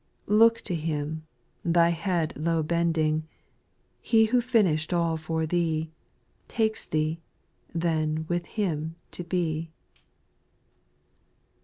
Look to Him, thy head low bending ; He who finished all for thee, Takes thee, then with Him to be.